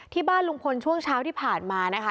ที่บ้านลุงพลช่วงเช้าที่ผ่านมานะคะ